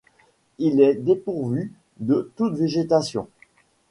Il est dépourvu de toute végétation.